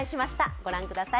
ご覧ください。